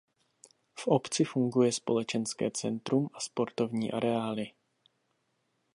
V obci funguje společenské centrum a sportovní areály.